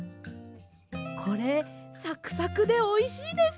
これサクサクでおいしいです。